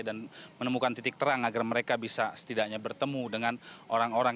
dan menemukan titik terang agar mereka bisa setidaknya bertemu dengan orang orang